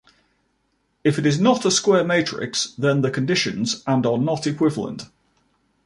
If is not a square matrix, then the conditions and are not equivalent.